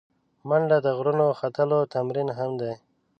منډه د غرونو ختلو تمرین هم دی